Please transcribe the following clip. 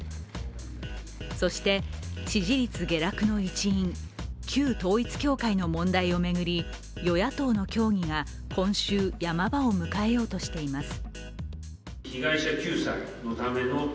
そして、支持率下落の一因、旧統一教会の問題を巡り、与野党の協議が今週ヤマ場を迎えようとしています。